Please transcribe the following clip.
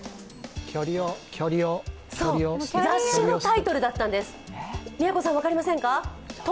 キャリア雑誌のタイトルだったんです。